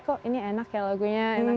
kok ini enak ya lagunya enak